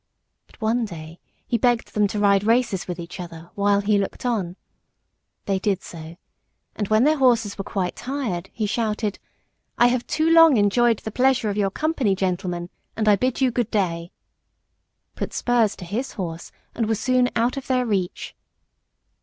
But one day he begged them to ride races with each other, while he looked on. They did so, and when their horses were quite tired, he shouted, "I have long enough enjoyed the pleasure of your company, gentlemen, and I bid you good day," put spurs to his horse, and was soon out of their reach.